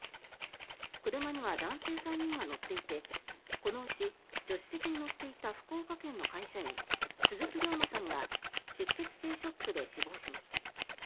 車には男性３人が乗っていてこのうち、助手席に乗っていた福岡県の会社員鈴木龍馬さんが出血性ショックで死亡しました。